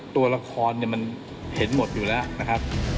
ตัวละครเห็นหมดอยู่แล้ว